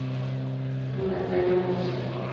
Moratalla, Murcia.